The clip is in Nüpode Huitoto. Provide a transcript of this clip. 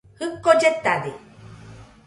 Jɨko lletade.